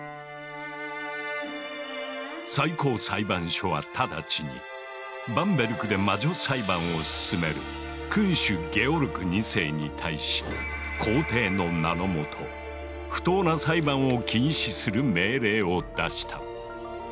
最高裁判所はただちにバンベルクで魔女裁判を進める君主・ゲオルク２世に対し皇帝の名の下不当な裁判を禁止する命令を出した。